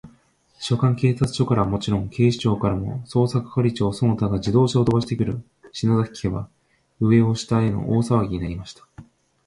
所轄警察署からはもちろん、警視庁からも、捜査係長その他が自動車をとばしてくる、篠崎家は、上を下への大さわぎになりました。